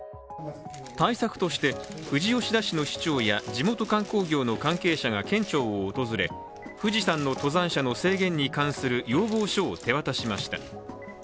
対策として、富士吉田市の市長や地元観光業の関係者が県庁を訪れ、富士山の登山者の制限に関する要望書を提出しました。